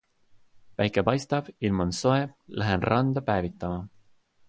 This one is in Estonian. Päike paistab, ilm on soe, lähen randa päevitama.